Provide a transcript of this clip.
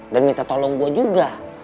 dan minta tolong gue juga